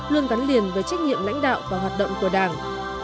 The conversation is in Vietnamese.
luôn gắn liền với trách nhiệm lãnh đạo và hoạt động của đảng